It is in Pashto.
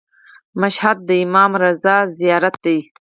مشهد د امام رضا زیارت دی.